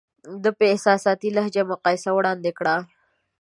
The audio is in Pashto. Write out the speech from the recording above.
ده په احساساتي لهجه مقایسه وړاندې کړه.